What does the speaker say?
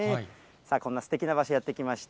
こんなすてきな場所へやって来ました。